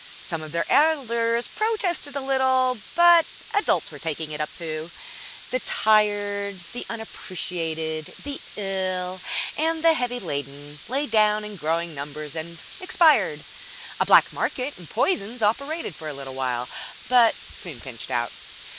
Some of their elders protested a little, but adults were taking it up too. The tired, the unappreciated, the ill and the heavy laden lay down in growing numbers and expired. A black market in poisons operated for a little while, but soon pinched out.